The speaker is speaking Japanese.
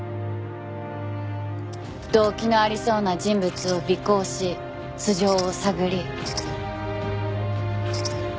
動機のありそうな人物を尾行し素性を探り。